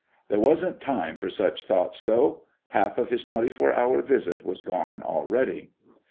There wasn't time for such thoughts, though. Half of his twenty four hour visit was gone already!